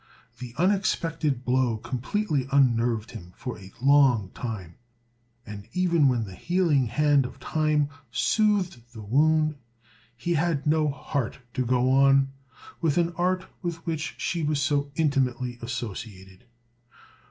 The unexpected blow completely unnerved him for a long time; and even when the healing hand of time soothed the wound, he had no heart to go on with an art with which she was so intimately associated.